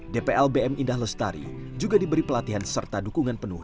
dplbm indah lestari juga diberi pelatihan serta dukungan penuh